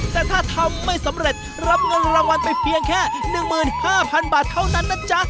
แต่ถ้าทำไม่สำเร็จรับเงินรางวัลไปเพียงแค่๑๕๐๐๐บาทเท่านั้นนะจ๊ะ